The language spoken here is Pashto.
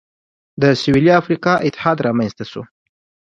د سوېلي افریقا اتحاد رامنځته شو.